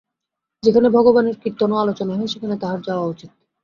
যেখানে ভগবানের কীর্তন ও আলোচনা হয়, সেখানে তাহার যাওয়া উচিত।